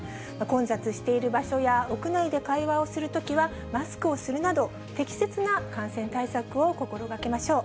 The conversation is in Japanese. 混雑している場所や屋内で会話をするときはマスクをするなど、適切な感染対策を心がけましょう。